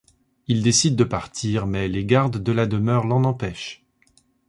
Il décide de partir, mais les gardes de la demeure l'en empêchent.